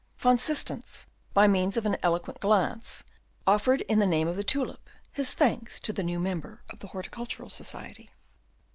Van Systens, by means of an eloquent glance, offered, in the name of the tulip, his thanks to the new member of the Horticultural Society.